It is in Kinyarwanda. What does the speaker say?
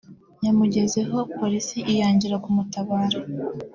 yamugezeho Polisi iyangira kumutabara